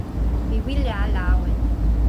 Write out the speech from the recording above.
mi wile ala awen.